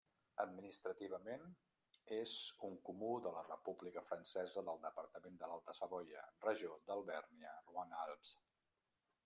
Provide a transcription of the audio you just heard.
Administrativament és un comú de la República Francesa del departament de l'Alta Savoia, regió d'Alvèrnia-Roine-Alps.